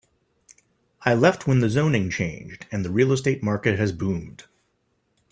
I left when the zoning changed and the real estate market has boomed.